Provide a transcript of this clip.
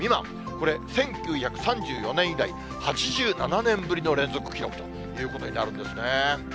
これ１９３４年以来、８７年ぶりの連続記録ということになるんですね。